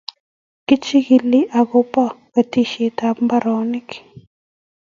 kichikili ako ba kartasishek ab imbaronik